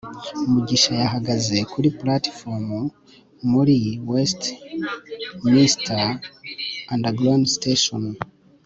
mugisha yahagaze kuri platifomu muri westminster underground station